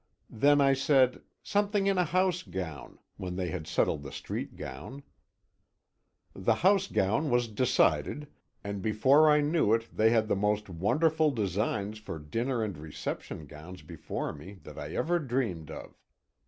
Then I said: "Something in a house gown," when they had settled the street gown. The house gown was decided, and before I knew it they had the most wonderful designs for dinner and reception gowns before me that I ever dreamed of.